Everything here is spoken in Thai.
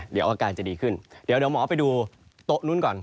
เดี๋ยวอาการจะดีขึ้นเดี๋ยวหมอไปดูโต๊ะนู้นก่อน